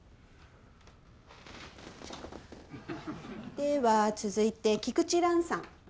では続いて菊地蘭さん。